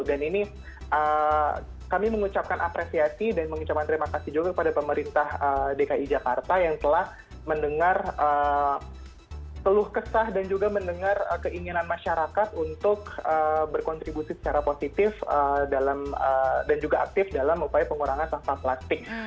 dan ini kami mengucapkan apresiasi dan mengucapkan terima kasih juga kepada pemerintah dki jakarta yang telah mendengar teluh kesah dan juga mendengar keinginan masyarakat untuk berkontribusi secara positif dan juga aktif dalam upaya pengurangan kantong plastik